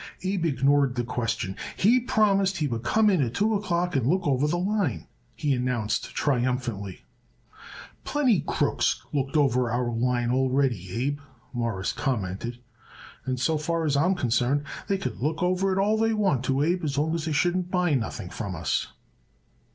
Abe ignored the question. "He promised he would come in at two o'clock and look over the line," he announced triumphantly. "Plenty crooks looked over our line already, Abe," Morris commented, "and so far as I'm concerned, they could look over it all they want to, Abe, so long as they shouldn't buy nothing from us."